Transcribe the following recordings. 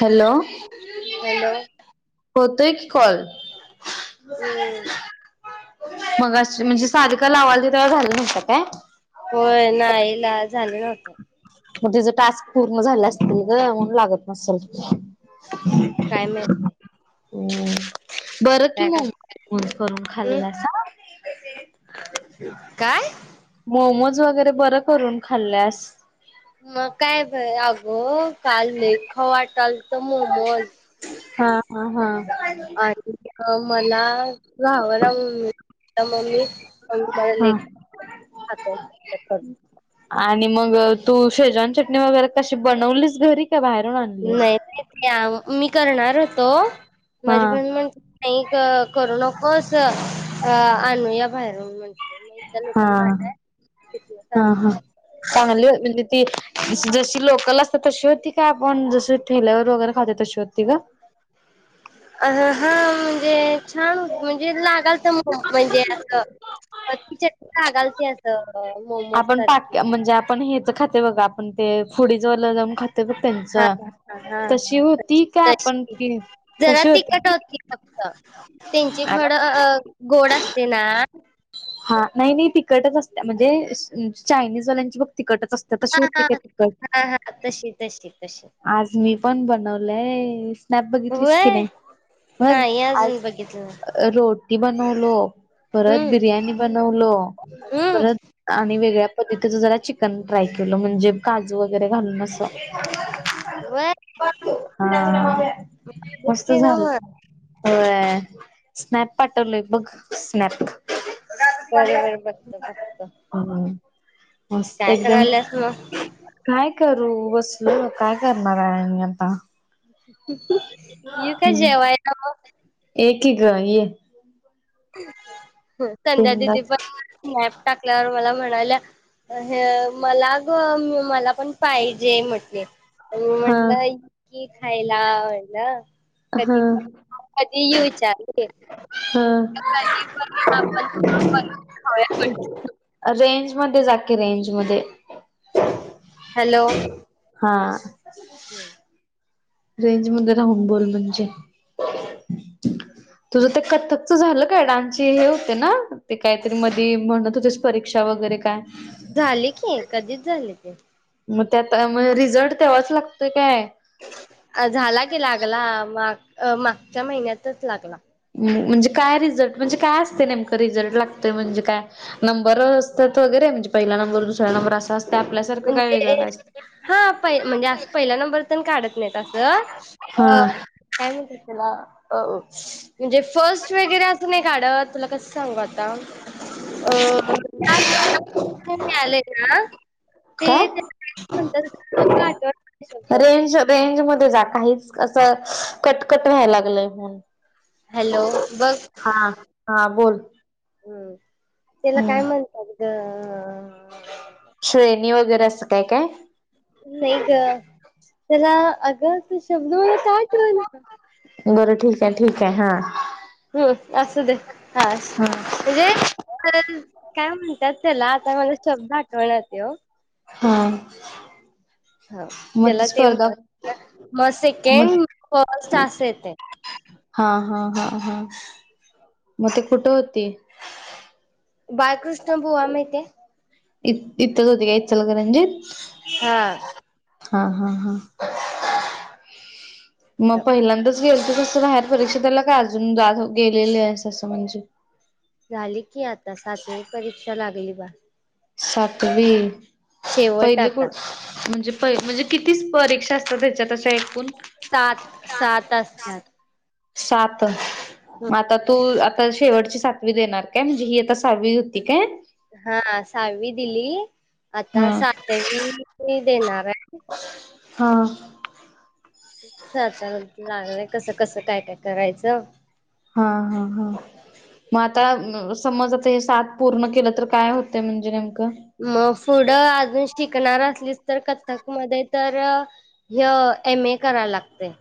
Hello. Hello होतोयऽऽ call. हम्म. मग अस म्हणजे सारीका लावाल ती तवा झालं नवतं काय? होय नाही,, ला झालं नव्हतं. मग तिच टास्क पूर्ण झाले असतील ग मणून लागत नसतील. काय माईत. हम्. बरं कि मंग मो करून हम् खाल्लाऽऽ काय? मोमोज वगैरे बरं करून खाल्ल्यास. मग काय बय अगोऽऽ काल लय खाऊ वाटलऽऽ काल मोमोज. ह, हा, आणि मग मला चालना मनुनऽऽ मम्मी मला हा लेक खातो करून. आणि मग तू शेजवाान चटणी वगैरे कशी बनवलीस घरी? का बाहेरून आणलीस नाही ते मी करणार होतो हा माझी बण म्हणली नाही करू नकोस. अं आणूया बाहेरन म्हणलं. हा तिथनं हं सांगितलं हं चांगली [unintelligible] त जशी लोकल असतात तशी होती का? आपण जशी ठेल्यावर वगैरे खातातो तशी होती गं? [inaudible] अं हं म्हणजे छान होती म्हणजे ला चालतं म्हणजे असं तुच्या कागालते असं. मोमोज आपण सारखी पाक म्हणजे आपण हेचं खाते बघा आपण ते फुडी जवाल्या जाऊन खाते ते बघ हा त्यांचं हा हा तशी हा होती काय? आपण तशी ती जरा तीखट होती फक्त. त्यांची खडं गोड असते ना. हा नाही नाही तिकटच असत म्हणजे चायनीजवाल्यांची बघ. तिकटच असते तशी होते हा का तिकट? हा हा तशी तशी तशीच. आज मी पण बनवलंय स्नॅप बघितलीस की व्हय नाही? मग नाही अजून आज बघितलं रोटी बन आलो, परत हम्म बिर्याणी बनवलो, हम्म परत आणि वेगळ्या पद् इथ तू जरा चिकन ट्राय केलं म्हणजे काजू वगैरे घालून असं व्हय हा मस्त बघते ग झालं. मग होय, स्नॅप पाटवलंय बग, स्नॅप. बरोबर बघतो फक्त. हम्म. मस्त एकदम, मग काय? करू बसलो, काय करणार आहे मी आता? ये काय जेवयला मग? कि गं ये. संध्या दिदी बिंदास पण स्नॅप टाकल्यावर मला म्हणाल्या, मला ग मला पण पाहिजे म्हटले हा. म्हटलं की खायला आवडलं हा कधी पणं कधी येऊ विचारली. हा कधी पण, आपण पण खाऊया म्हंटल. रेंज मध्ये जा कि, रेंज मधे. हॅलो. हम्म. रेंज मध्ये राहून बोल म्हणजे, तुझं ते कथ्थक तुझं झालं काय डान्सचे हे होते ना? ते काहीतरी मधी म्हणत होते परीक्षा वगैरे काय? झाले की कधीच झाले ते. मग त्यात म रिझल्ट तेव्हाच लागतोय काय? झाला की लागला माग मागच्या महिन्यातच लागला. म्हणजे काय रिझल्ट म्हणजे काय असते? नेमकं रिझल्ट लागत म्हणजे काय? नंबरवरअसतात वगैरे. म्हणजे पहिला नंबर दुसरा नंबर असं नंबर असते आपल्यासखं, काय म्हणजे वेगळंय असं हा पहि म्हणजे पहिला नंबर तेन काढत नाहीत तसं हा. अं काय म्हणत्यात त्याला? अं म्हणजे फर्स्ट वगैरे असं नाही काढत, तुला कस सांगू आता? अं काय असं [unintelligible] आलेय का? काय रेंज [unintelligible] रेंज मधे जा काहीच असं कटकट व्हायला लागलय म्हून हॅलो बघ हा हा बोल. तेला काय हम्म म्हणत्यात ग अं अं श्रेणी वगैरे आसं काय काय? तेला अगं तो शब्द मला का आठवेना? बरं ठीक हाय ठीक हाय हा. हम्म आसू दे हा स म्हंजे [unintelligible] काय म्हणत्यात तेला आता मला शब्द आठवना तो हा म ती स्पर्धा म मग सेकेंड, फर्स्ट अस येतंय. हा हा हा हा मग ते कुठं होती? बाळकृष्ण बुवा महितीय? इ इथतंच होती काय इचलकरंजीत? हा हा हा हा मग पहिल्यांदा गेलतो तसं बाहेर परीक्षा द्यायला काय अजून जात हो गेलेली आहेस तसं म्हणजे झाली की आता सातवी परीक्षा लागली बा सातवी. शेवट पहिली आता कुट् म्हणजे म्हणजे किती स परीक्षा असतात हेच्यात अश एकूण सात सात असतात [unintelligible] सातं म आता तू आता शेवटची सात वी देणार काय म्हणजे ही आता सावी होती काय? हा सावी दिली. आता हा सातवी देणाराय. हा. सााताराज लागलंय कसं कसं काय काय करायचं? हा हा हा म आत् ता समज आता हे सात पूर्ण केलं तर काय होते म्हणजे नेम [inaudible] म पुुढं आजून शि शिकणार असलीस तर कथ्थक मध्ये तर ह एम ए कराय लागतय.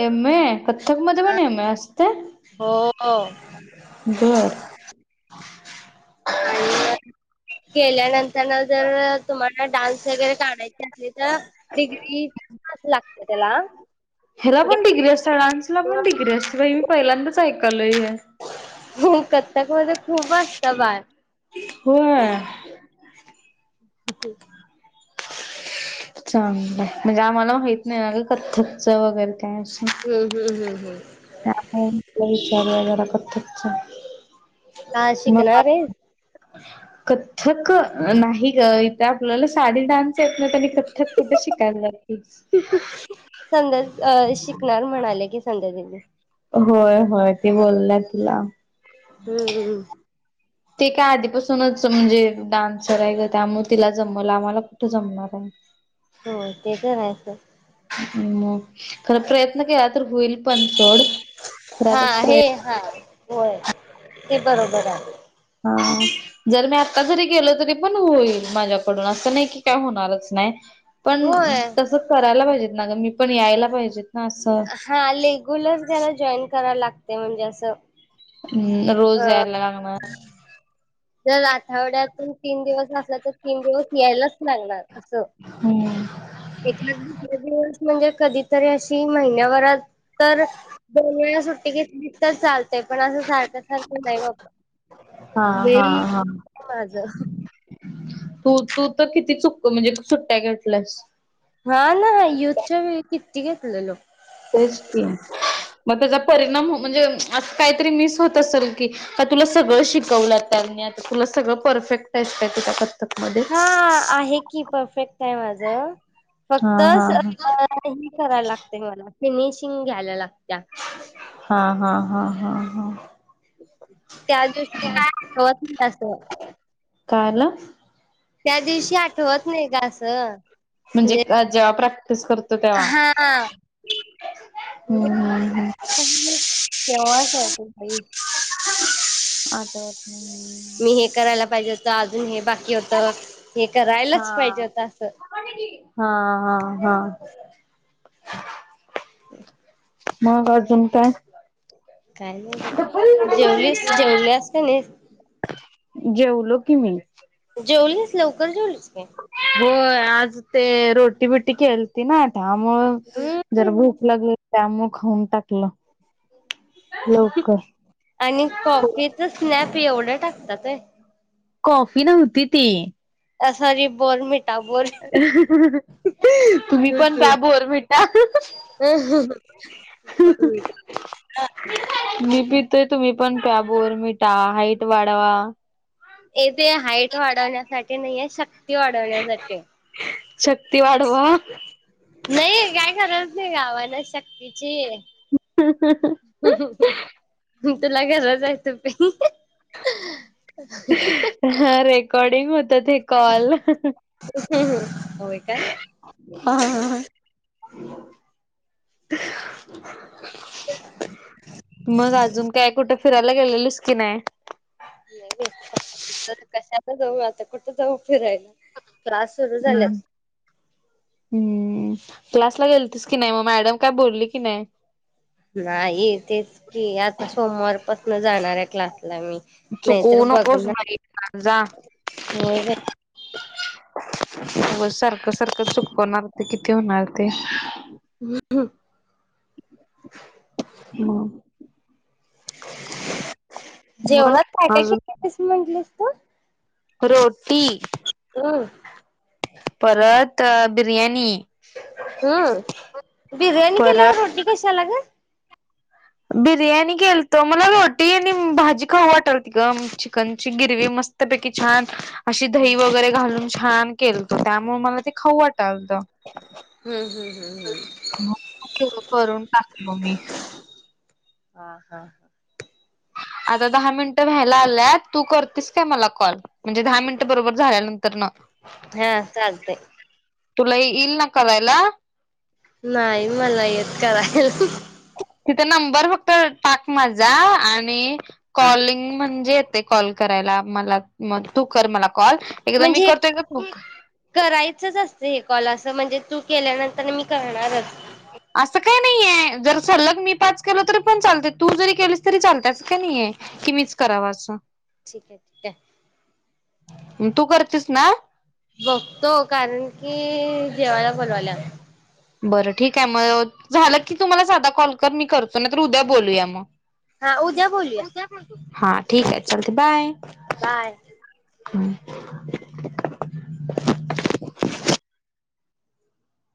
एम ए कथ्थकमधे पण एम ए असतय? हो हो बर आणि मग केल्यानंतर न जर तुम्हाला डान्स वगैरे काढायच तर तिथं डिग्री पास लागत्या तेला हा ह्याला पण डिग्री असत्या डान्स ला पण डिग्री असत्या बाई मी पहिल्यांदाच ऐकालोय हे हो कथ्थक मध्ये खूप असतं बाळ होय ह चांगल हाय म्हणजे आम्हाला माहित नाही ना अगं कथ्थक च वगैरे हम्म हम्म हम्म हम्म [unintelligible] [inaudible] जरा कथ्थक च का शिकणार रेस कथ्थक नाही ग इथ आपल्याला साधी डान्स येत नाहित आणि कथ्थ क कुठ शिकायला जातीस संध्या अ शिकणार म्हणाले [unintelligible] होय होय ते बोललाय तुला हम्मम्म ते काय आधीपासूनच म्हणजे डान्सर हाय गं त्यामुळ तिला जमलं आम्हाला कुठं जमणार हाय हो ते तर आहेच मग खरं प्रयत्न केल तर हुईल पण सोड हा हे हा होय. ते बरोबर हाय अजू जरी केलं तरी पणं होईल माझ्याकडून असं नाहीं की काय होणारच नाहीं पणं होय तसं करायला पाहिजेत ना ग मी पणं यायला पाहिजेत ना असं हा आले लेग्युलर त्याला जॉईन करायला लागते म्हणजे असं हम् रोज यांयला लागनार दरर आठवड्यातून तीनं दिवस असला तर तीनं दिवस यायलाच लागणारं असं हम्म एका दुसर्यां दिवस म्हणजे कधीतरी अशी महिन्याभरात तर दोन वेळस सुट्टी घेतलीं तर चालते ते पणं असं सारखं सारखं नाहीं बाप हा हा हा तू तू तर किती चुक म्हणजे किती सुट्ट्या घेटल्यास हा ना युथच्या वेळीं किती घेतलं लोकं तेच कीया मंग त्यांचा परिणाम म्हणजे आ कांहीतरी मिस होत असेल की का तुला सगळं शिकव लागतात आणि त्यातलं तुला सगळं परफेक्ट आहे ति हा आहे की परफेक्ट आहेय माझं हा हा फक्तच ह हा संत कराला लागते मला फिनिशिंग घ्यायला लागत्या हा हा हा हा त्या दिवशी काय हवंय त्यासण कारला त्या दिवशी आठवत नाहीं कां असं म्हणजे जेंव्हा प्रॅक्टिस करतों तेंव्हा केवास त झाली भाई आता येता मी हे करायला पाहिजे होतं अजून हे बाकी होतं हे करायलाच पाहिजे हा होतंय असं हा हा हा मंग अर्जुन काय काय नाहीं ग जेवलीस जेवल्यासं तूम्ही जेवलो की मी जेवलीच लवकर जेवलीच म हो आज ते रोटी बिटी केलती ना त्यामुळे जरा हम्म भूक लागली त्यामुळ खाऊन टाकलं लवकर आणि कॉफीच स्नॅक्स ते एवढ्या टाकतात होय कॉफी नव्हती ती त्या साठी बोरं मिंट तुम्ही पणं काय बोरं मिटा अ ते तुम्हीं पणं काय बोरं मिटा हाईट वाढवा येथे हाईट वाढवण्यासाठी नाहीं आहे शक्ती वाढवण्यासाठी शक्ती वाढवा नाही काय गरज नाहीं आम्हाला शक्तींची ह तुला गरज आहे तू पी हा रेकॉर्डिंग हो त ते कॉल. हम् हम् हो काय [inaudible] मंग अजून काय कुठं फिरायला गेलेलीस की नाहीं नाही बाई कशाला जाऊं आता कुठं जाऊं फिरायला त्रास सुरू हम्म झाल्यात हम्म क्लासला गेलतीस की नाही मग मॅडम काय बोलली की नाही नाही ये तेच कि आता सोमवारपासन जाणार आहे क्लासला मी नाहीतर चुकवू नकोस बघणार बाई जा हो का अ सारखं सारखं चुकवणार ते किती होणार ते हम्म ह ह मग जेवणात काय अजून काय किस म्हटलेस तू रोटी ह परत बिर्याणी हम्म बिर्याणी केल्यावर परत रोटी कशा आला ग बिर्याणी केल तर मलाटी आणि भाजी खाऊ वाटल त ग चिकनची गिरवी म मस्त बकीि छ अशी दही वगैरे घालून छान केलतो त्यामुळे मला ते खाऊ वाट आलत हम्म हम्म हम्म हम्म. करून टाकलो मी हा हा हा ह आता दहा मिनिटं व्हायला आल्यात तू करतेस काय मला कॉल म्हणजे दहा मिनिट बरोबर झाल्यानंतर न हा चालतंय तुला येईल ना का वयला नाही मला येत करायल तिथे नंबर फक्त टाक माझा आणि कॉलिंग म्हणजे येते कॉल करा मला तू कर मला कॉल एकदा मी म्हणजे हे करतो एकदा तू कर करायचच असत हे कॉल अस म्हणजे तू केल्यानंतर मी करणारच हो असं काही नाहीये जर सलग मी पाच केलो तरी पण चालते तू जरी केलीस तरी चालते असं काही नाहीे किमीच कराव असं ठीक आहे ठीक आहे तू करतेस ना बघतो कारण की जेवाला बोलवाल्या बरं ठीक आहे मग झालं की तुम्हाला साधा कॉल कर मी करतो ना तर उद्या बोलूया मग हा उद्या बोलूया हा ठीक आहे चलते बाय बाय हम्